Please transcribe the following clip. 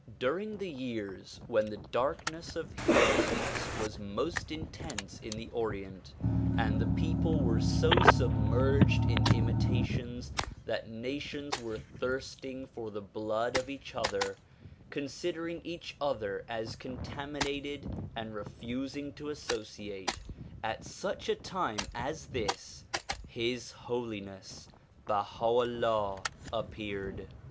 During the years when the darkness of heedlessness was most intense in the Orient and the people were so submerged in imita tions that nations were thirsting for the blood of each other, con sidering each other as contaminated and refusing to associate; at such a time as this His Holiness Baha 'Ullah appeared.